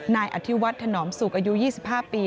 นายอธิวัฒน์ถนอมสุขอายุ๒๕ปี